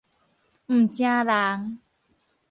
毋成人